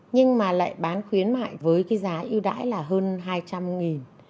nhưng mà lại bán khuyến mại với cái giá ưu đãi là hơn hai trăm linh